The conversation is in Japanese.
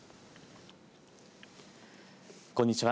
こんにちは。